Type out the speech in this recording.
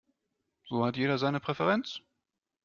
So hat jeder seine Präferenz.